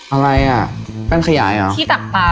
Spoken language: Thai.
อะไรอะ